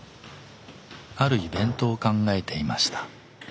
あるイベントを考えていました。